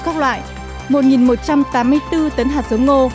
các loại một một trăm tám mươi bốn tấn hạt giống ngô